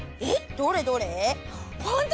どれどれ？